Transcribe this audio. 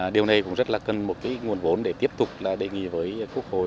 điều này cũng rất là cần một cái nguồn vốn để tiếp tục là đề nghị với quốc hội